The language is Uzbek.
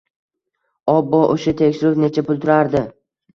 Obbo, o`sha tekshiruv necha pul turardi